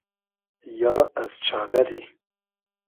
یا از چادئری